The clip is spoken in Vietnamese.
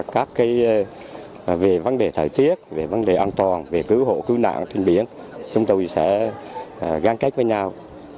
các về vấn đề thời tiết về vấn đề an toàn về cứu hộ cứu nạn trên biển chúng tôi sẽ gắn kết với nhau